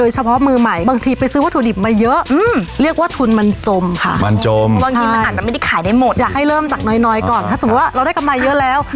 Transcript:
สมมติว่าเราได้กำไรเยอะแล้ว